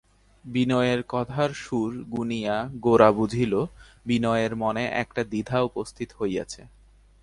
বিনয়ের কথার সুর শুনিয়া গোরা বুঝিল, বিনয়ের মনে একটা দ্বিধা উপস্থিত হইয়াছে।